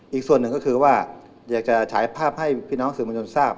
อีกส่วนหนึ่งก็คือว่าอยากจะฉายภาพให้พี่น้องสื่อมวลชนทราบ